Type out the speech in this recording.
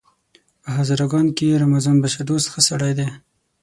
په هزاره ګانو کې رمضان بشردوست ښه سړی دی!